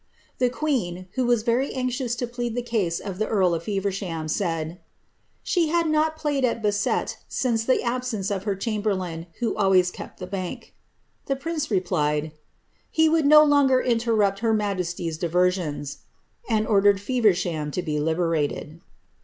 Tin queen, who was veiy anxious to plead the cause of the earl of Fevenhaai raid, ^ she had not played at basset since the absence of her chambe^ lain, who always kept the bank." The prince replied, ^ he wonld ds longer interrupt her majesty^s diversions," and ordered Feversham to bi Lberated.'